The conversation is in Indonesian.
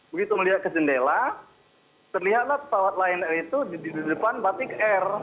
begitu melihat ke jendela terlihatlah pesawat lion air itu di depan batik air